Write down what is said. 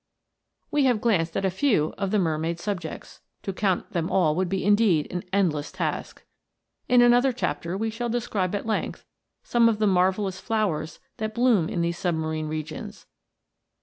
t We have glanced at a few of the Mermaid's sub jects, to count them all would indeed be '' an end less task." In another chapter we shall describe at length some of the marvellous flowers that bloom in these submarine regions.